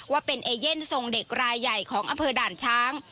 ว่าเป็นเอเย่นทรงเด็กรายใหญ่ของอำเภอด่านช้าง